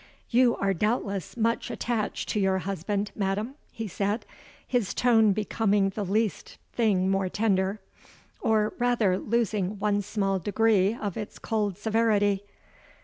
—'You are doubtless much attached to your husband, madam?' he said, his tone becoming the least thing more tender—or rather losing one small degree of its cold severity.